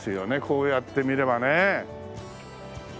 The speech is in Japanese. こうやって見ればね。